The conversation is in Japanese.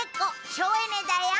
省エネだよ。